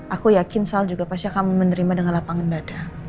aku yakin sal juga pasti akan menerima dengan lapangan dada